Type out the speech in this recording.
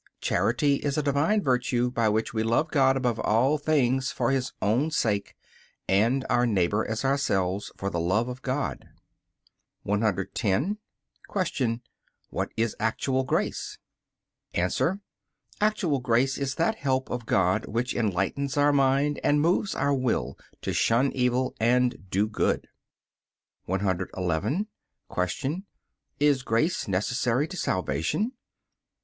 Charity is a Divine virtue by which we love God above all things for His own sake, and our neighbor as ourselves for the love of God. 110. Q. What is actual grace? A. Actual grace is that help of God which enlightens our mind and moves our will to shun evil and do good. 111. Q. Is grace necessary to salvation?